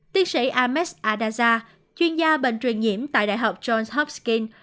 tiến sĩ ahmed adaza chuyên gia bệnh truyền nhiễm tại đại học johns topsking